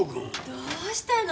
どうしたの？